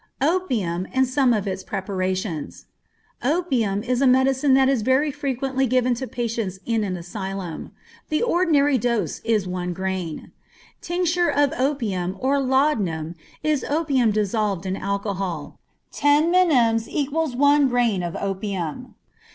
Opium and Some of its Preparations. Opium is a medicine that is very frequently given to patients in an asylum. The ordinary dose is one grain. Tincture of opium, or laudanum, is opium dissolved in alcohol. Ten minims equal one grain of opium.